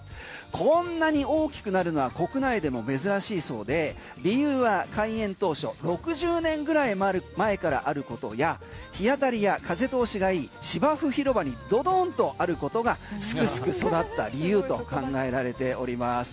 こんなに大きくなるのは国内でも珍しいそうで理由は開園当初６０年ぐらい前からあることや日当たりや風通しがいい芝生広場にドーンとあることがすくすく育った理由と考えられております。